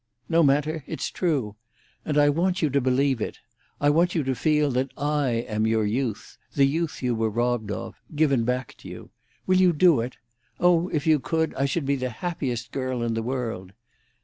No matter, it's true. And I want you to believe it. I want you to feel that I am your youth—the youth you were robbed of—given back to you. Will you do it? Oh, if you could, I should be the happiest girl in the world."